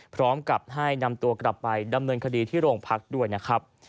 พร้อมกับให้นำตัวกลับไปดำเนินคดีที่โรงพักด้วยนะครับ